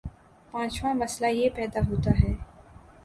پانچواں مسئلہ یہ پیدا ہوتا ہے